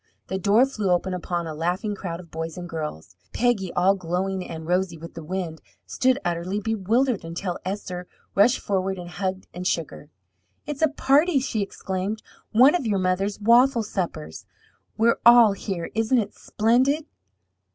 The door flew open upon a laughing crowd of boys and girls. Peggy, all glowing and rosy with the wind, stood utterly bewildered until Esther rushed forward and hugged and shook her. "It's a party!" she exclaimed. "One of your mother's waffle suppers! We're all here! Isn't it splendid?"